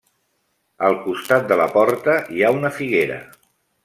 Al costat de la porta hi ha una figuera.